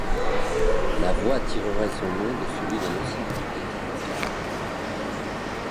La voie tirerait son nom de celui d'un ancien propriétaire local.